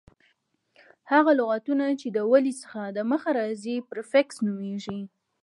هغه لغتونه، چي د ولي څخه دمخه راځي پریفکس نومیږي.